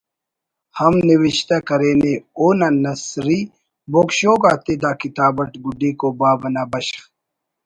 ہم نوشتہ کرینے اونا نثری بوگ شوگ آتے دا کتاب اٹ گڈیکو باب نا بشخ